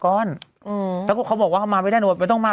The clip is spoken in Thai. คุณแม่ก็ต้องไปเพราะพี่หนุ่มเขารอ